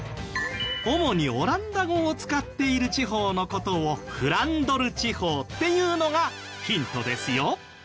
主にオランダ語を使っている地方の事をフランドル地方っていうのがヒントですよ。